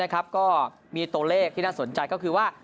ก็มีตัวเลขที่น่าสนใจก็คือว่า